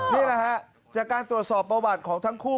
นี่แหละฮะจากการตรวจสอบประวัติของทั้งคู่